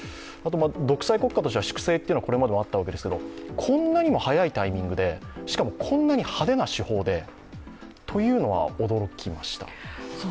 独裁国家としては粛正はこれまでもあったわけですが、こんな早いタイミングでしかも、こんなに派手な手法でというのは驚きました。